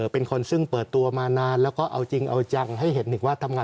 เป็นคนซึ่งเปิดตัวมานานแล้วก็เอาจริงเอาจัง